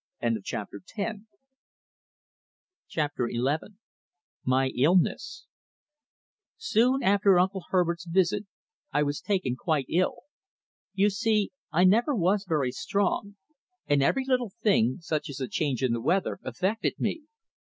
Chapter XI My Illness Soon after Uncle Herbert's visit I was taken quite ill. You see I never was very strong, and every little thing, such as a change in the weather, affected me.